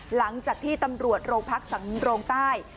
หลังจากที่ตำรวจโรงพักสำโรงใต้